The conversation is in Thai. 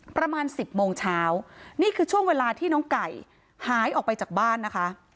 ประมาณสิบโมงเช้านี่คือช่วงเวลาที่น้องไก่หายออกไปจากบ้านนะคะ